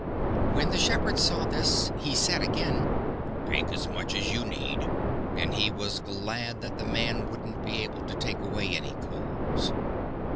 "When the shepherd saw this, he said again: 'Take as much as you need!' And he was glad that the man wouldn't be able to take away any coals.